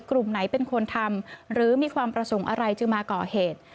กลุ่มไหนเป็นคนทำหรือมีความประสงค์อะไรจึงมาก่อเหตุ